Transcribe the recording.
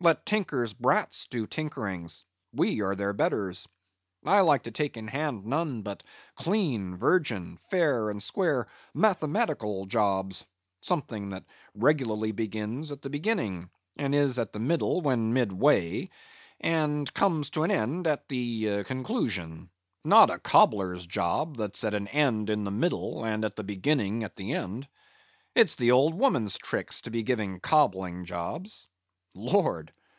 Let tinkers' brats do tinkerings; we are their betters. I like to take in hand none but clean, virgin, fair and square mathematical jobs, something that regularly begins at the beginning, and is at the middle when midway, and comes to an end at the conclusion; not a cobbler's job, that's at an end in the middle, and at the beginning at the end. It's the old woman's tricks to be giving cobbling jobs. Lord!